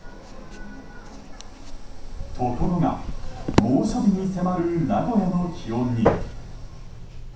ところが、猛暑日に迫る名古屋の気温に。